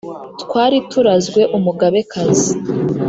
twari turazwe umugabekazi